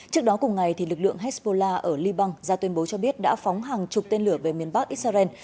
trước đó cùng ngày lực lượng hezbollah ở liban ra tuyên bố cho biết đã phóng hàng chục tên lửa về miền bắc israel